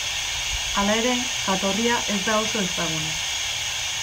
Hala ere jatorria ez da oso ezaguna.